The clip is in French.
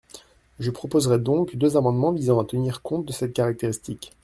Je proposerai donc deux amendements visant à tenir compte de cette caractéristique.